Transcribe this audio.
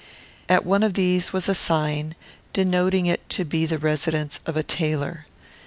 At one of these was a sign denoting it to be the residence of a tailor.